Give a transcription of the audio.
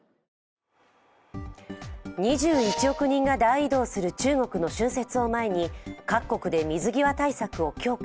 ２１億人が大移動する中国の春節を前に各国で水際対策を強化。